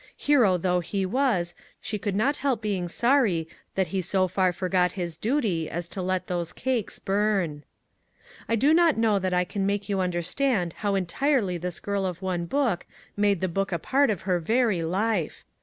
Hero though he was, she could not help being sorry that he so far forgot his duty as to let those cakes burn. I do not know that I can make you under stand how entirely this girl of one book made the book a part of her very life.